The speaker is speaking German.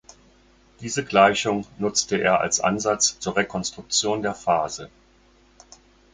Diese Gleichung nutzte er als Ansatz zur Rekonstruktion der Phase.